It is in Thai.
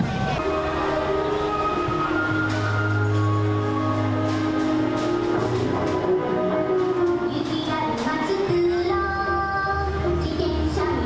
สวัสดีครับสวัสดีครับ